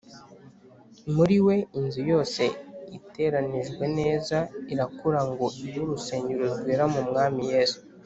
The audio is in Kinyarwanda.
muri we inzu yose iteranijwe neza, irakura ngo ibe urusengero rwera mu mwami yesu.”